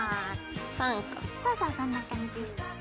そうそうそんな感じ。